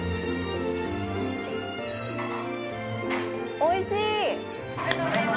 おいしい！